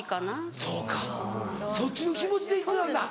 そうかそっちの気持ちで行ってたんだ。